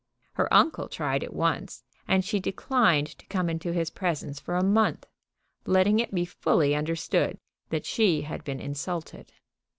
Her uncle tried it once, and she declined to come into his presence for a month, letting it be fully understood that she had been insulted.